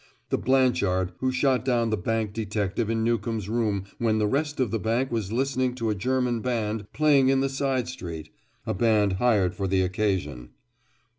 "The Blanchard who shot down the bank detective in Newcomb's room when the rest of the bank was listening to a German band playing in the side street, a band hired for the occasion."